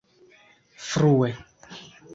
frue